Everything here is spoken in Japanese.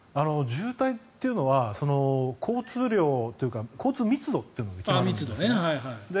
渋滞というのは交通量というか交通密度で決まるんですね。